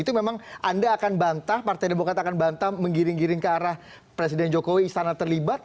itu memang anda akan bantah partai demokrat akan bantah menggiring giring ke arah presiden jokowi istana terlibat